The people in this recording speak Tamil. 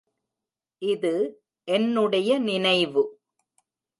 இது என்னுடைய நினைவு.